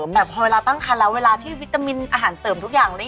แต่พอเวลาตั้งคันแล้วเวลาที่วิตามินอาหารเสริมทุกอย่าง